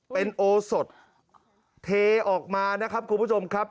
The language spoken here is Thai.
เป็นโอสดเทออกมานะครับคุณผู้ชมครับ